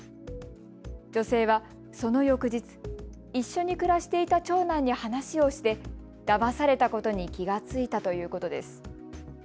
女性はその翌日、一緒に暮らしていた長男に話をしてだまされたことに気が付いたということです。